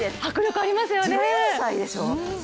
１４歳でしょ！？